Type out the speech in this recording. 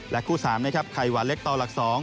และคู่๓ไขวัลเล็กต่อหลัก๒